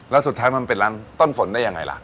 แล้วสุดท้ายมันเป็นร้านต้นฝนได้ยังไงล่ะ